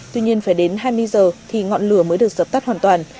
tuy nhiên phải đến hai mươi giờ thì ngọn lửa mới được dập tắt hoàn toàn